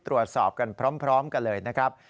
ตรวจสอบกันพร้อมกันเลยนะครับ